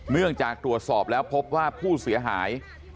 เนื่องจากตรวจสอบแล้วพบว่าผู้เสียหาย